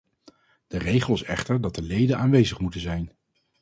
De regel is echter dat de leden aanwezig moeten zijn.